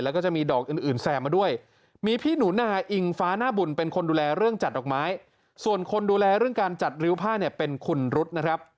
แล้วก็จะมีดอกอื่นแซมมาด้วยมีพี่หนูนาอิงฟ้าหน้าบุญเป็นคนดูแลเรื่องจัดดอกไม้ส่วนคนดูแลเรื่องการจัดริ้วผ้าเนี่ยเป็นคุณรุษนะครับ